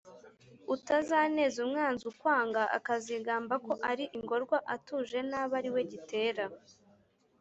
Utazaneza umwanzi ukwanga Akazigamba ko uri ingorwa Atuje n’abe ariwe gitera.